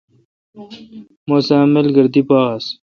مسہ اؘ ملگر دی پا آس ۔